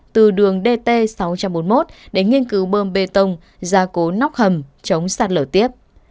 từ đường dt sáu trăm bốn mươi một đến nghiên cứu bơm bê tông gia cố nóc hầm chống sạt lở tiếp